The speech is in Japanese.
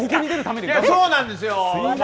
そうなんですよ。